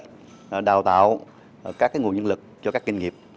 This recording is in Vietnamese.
chúng tôi sẽ làm thế nào để đào tạo các nguồn nhân lực cho các kinh nghiệp